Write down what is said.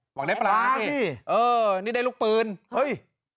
หวังได้ปลานี่เออนี่ได้ลูกปืนเฮ้ย